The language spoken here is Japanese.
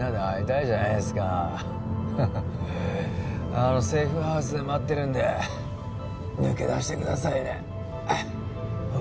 あのセーフハウスで待ってるんで抜け出してくださいねあっ。